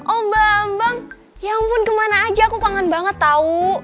oh mbak ambang ya ampun kemana aja aku kangen banget tau